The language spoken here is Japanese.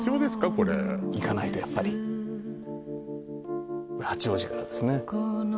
これ行かないとやっぱりこれ八王子からですね